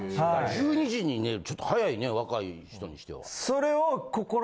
１２時に寝るちょっと早いね若い人にしては。